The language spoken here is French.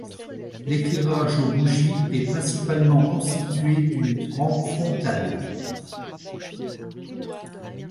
L'éclairage aux bougies est principalement constitué d'une rampe frontale.